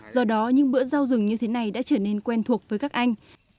do đó những bữa giao rừng như thế này đã trở nên quen thuộc với các anh